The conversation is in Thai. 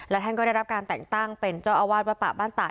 และท่านก็ได้รับการแต่งตั้งเป็นเจ้าอาวาสวัดป่าบ้านตาก